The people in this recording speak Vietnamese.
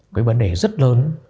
cái vấn đề rất lớn